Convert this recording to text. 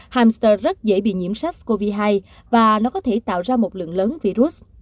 hamster rất dễ bị nhiễm sars cov hai và nó có thể tạo ra một lượng lớn virus